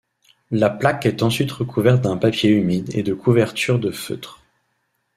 La plaque est ensuite recouverte d'un papier humide et de couvertures de feutre.